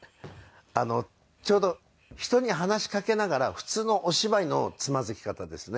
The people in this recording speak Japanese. ちょうど人に話しかけながら普通のお芝居のつまずき方ですね。